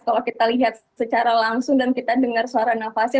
kalau kita lihat secara langsung dan kita dengar suara nafasnya